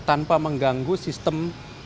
tanpa mengganggu sistem